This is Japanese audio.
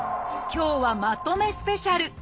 今日はまとめスペシャル。